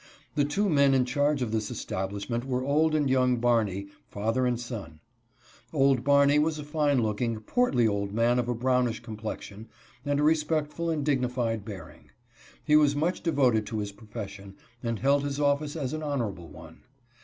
The two men in charge of this establishment were old and young Barney — father and son. Old Barney was a fine looking, portly old man of a brownish complexion, and a respectful and dignified bearing. He was much devoted to his profession, and held his office as an honor able one.